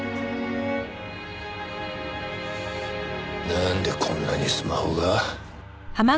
なんでこんなにスマホが？